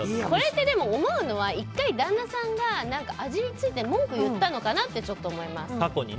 それって、でも思うのは１回、旦那さんが味について文句言ったのかなってちょっと思います。